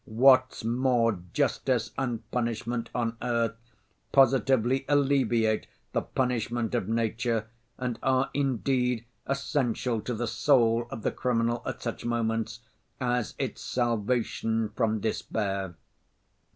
What's more, justice and punishment on earth positively alleviate the punishment of nature and are, indeed, essential to the soul of the criminal at such moments, as its salvation from despair.